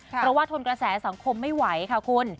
เพราะว่าทนกระแสสังคมไม่ไหวค่ะคุณ